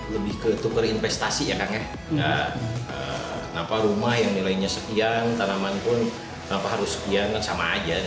tidak ada kenapa rumah yang nilainya sekian tanaman pun tanpa harus sekian sama aja